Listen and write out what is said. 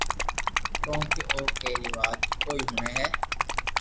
ڪونڪھ او ڪي ري وات ڪوئي ھڻي ھي